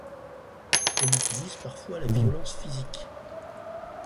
Elle utilise parfois la violence physique.